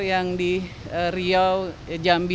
yang di riau jambi